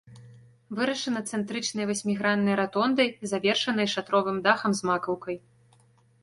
Вырашана цэнтрычнай васьміграннай ратондай, завершанай шатровым дахам з макаўкай.